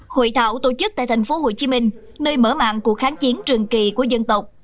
hội thảo tổ chức tại tp hcm nơi mở mạng cuộc kháng chiến trường kỳ của dân tộc